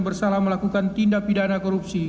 bersalah melakukan tindak pidana korupsi